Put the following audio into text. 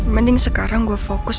mending sekarang gue fokus